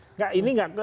enggak ini enggak